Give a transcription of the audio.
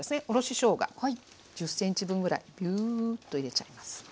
おろししょうが１０ｃｍ分ぐらいビューッと入れちゃいます。